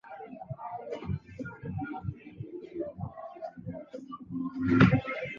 wasikilizaji wanapendelea kusikia kutoka kwa wageni waliyoalikwa